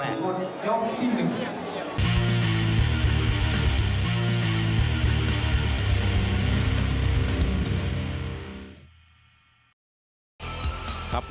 หมดยกแรก